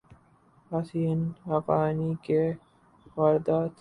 حسین حقانی کی واردات